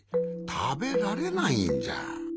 たべられないんじゃ。